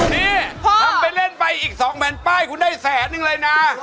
นี่ทำไปเล่นไปอีก๒แผ่นป้ายคุณได้แสนนึงเลยนะ